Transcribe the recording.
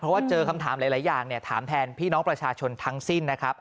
เพราะว่าเจอคำถามหลายอย่างถามแทนพี่น้องประชาชนทั้งสิ้นนะครับ